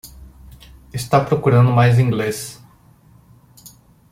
Está procurando mais inglês